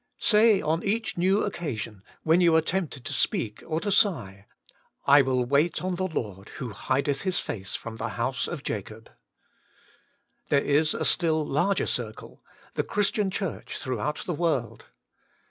Say on each new occasion, when you are tempted to speak or to sigh: *I will wait on the Lord, ffho hideth His face from the house of Jacob.* There is a still larger circle — the Christian Church throughout the world.